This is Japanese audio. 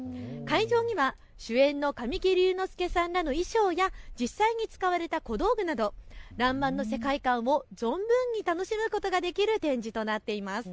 会場には主演の神木隆之介さんらの衣装や実際に使われた小道具など、らんまんの世界観を存分に楽しむことができる展示となっています。